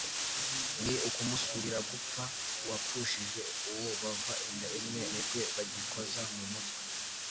ni ukumusurira gupfa, uwapfushishe uwo bava inda imwe, nikwe bagikoza mu mutwe